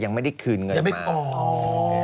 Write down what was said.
ยังไม่ได้คืนเงินมา